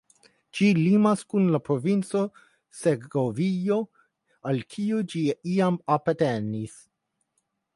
Ĝi limas kun la provinco Segovio al kiu ĝi iam apartenis.